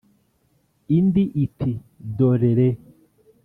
Indi itiDore re!